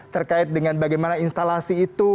terkait dengan bagaimana instalasi itu